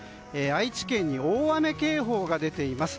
愛知県に大雨警報が出ています。